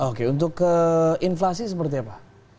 oke untuk inflasi seperti apa